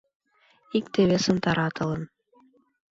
Икте-весым таратылын